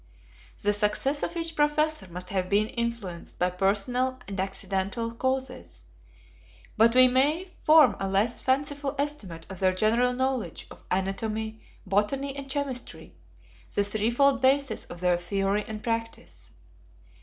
66 The success of each professor must have been influenced by personal and accidental causes; but we may form a less fanciful estimate of their general knowledge of anatomy, 67 botany, 68 and chemistry, 69 the threefold basis of their theory and practice.